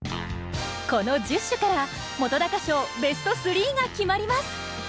この１０首から本賞ベスト３が決まります。